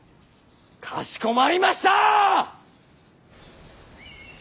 かしこまりました！